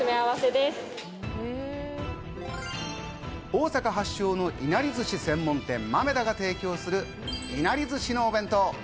大阪発祥のいなり寿司専門店・豆狸が提供するいなり寿司のお弁当。